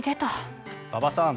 馬場さん